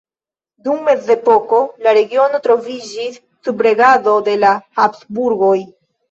Dum mezepoko la regiono troviĝis sub regado de la Habsburgoj.